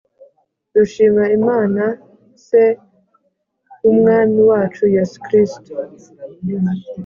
Dushima Imana Se w Umwami wacu Yesu Kristo